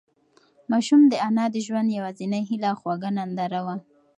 ماشوم د انا د ژوند یوازینۍ هيله او خوږه ننداره وه.